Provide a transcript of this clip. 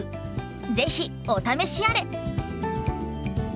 ぜひお試しあれ！